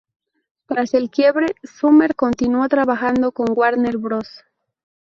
Tras el quiebre, Summer continuó trabajando con Warner Bros.